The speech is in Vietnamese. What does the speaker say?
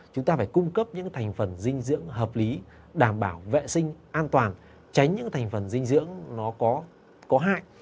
chúng ta phải cung cấp những thành phần dinh dưỡng hợp lý đảm bảo vệ sinh an toàn tránh những thành phần dinh dưỡng nó có hại